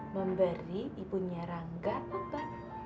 memberi ibunya rangga obat